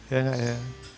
ya gak ya